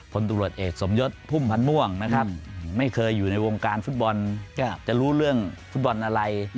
ตำรวจเอกสมยศพุ่มพันธ์ม่วงนะครับไม่เคยอยู่ในวงการฟุตบอลจะรู้เรื่องฟุตบอลอะไร